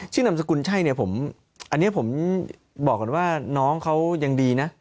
ชื่อนามสกุลใช่อันนี้ผมบอกก่อนว่าน้องเขายังดีนะ